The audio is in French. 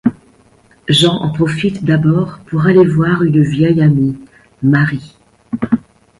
Jean en profite d'abord pour aller voir une vieille amie, Marie.